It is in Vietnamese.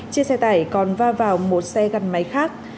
chiếc xe tải còn va vào một xe gắn máy khác